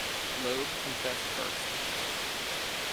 Loeb confessed first.